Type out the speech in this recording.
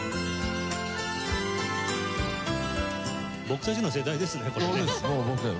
僕たちの世代ですね